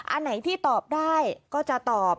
อันไหนที่ตอบได้ก็จะตอบ